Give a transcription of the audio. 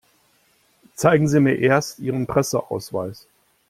Zeigen Sie mir erst Ihren Presseausweis.